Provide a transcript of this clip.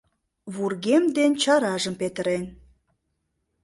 Вургем ден чаражым петырен